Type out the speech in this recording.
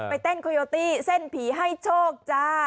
เต้นโคโยตี้เส้นผีให้โชคจ้า